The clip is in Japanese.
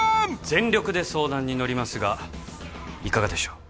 全力で相談に乗りますがいかがでしょう？